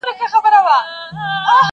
o ګلکده به ستا تر پښو لاندي بیدیا سي,